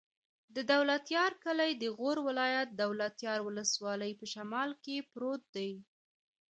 د دولتيار کلی د غور ولایت، دولتيار ولسوالي په شمال کې پروت دی.